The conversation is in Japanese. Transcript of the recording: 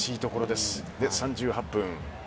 で、３８分。